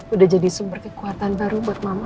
udah jadi sumber kekuatan baru buat mama